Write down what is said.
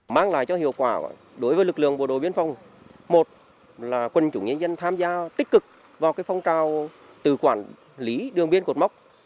mang lại cho hiệu quả đối với lực lượng bộ đội biên phòng một là quân chủ nhân dân tham gia tích cực vào phong trào từ quản lý đường biên cột mốc